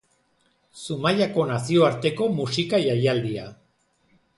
Zumaiako nazioarteko musika-jaialdia.